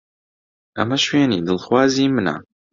ئەمە شوێنی دڵخوازی منە.